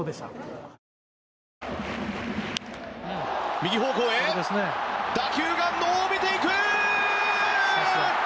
右方向へ打球が伸びていく！